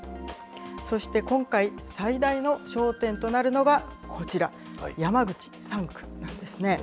そして、今回、最大の焦点となるのがこちら、山口３区なんですね。